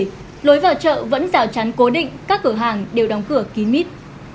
tuy nhiên lối vào chợ vẫn rào chán cố định các cửa hàng đều đóng cửa kín mít